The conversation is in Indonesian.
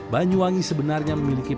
banyuwangi sebenarnya memiliki